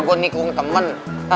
gua nikung temen